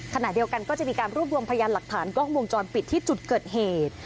ขณะเดียวกันก็จะมีการรวบรวมพยานหลักฐานกล้องวงจรปิดที่จุดเกิดเหตุ